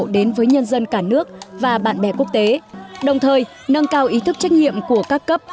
đến với nhân dân cả nước và bạn bè quốc tế đồng thời nâng cao ý thức trách nhiệm của các cấp